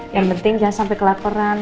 yang penting jangan sampai kelaparan